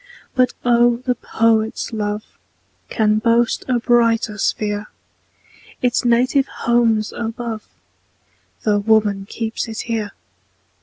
But oh! the poet's love Can boast a brighter sphere; Its native home's above, Tho' woman keeps it here.